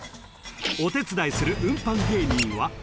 ［お手伝いする運搬芸人は］